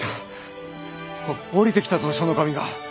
降りてきたぞ書の神が！